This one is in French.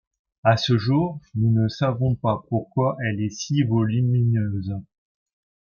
À ce jour, nous ne savons pas pourquoi elle est si volumineuse.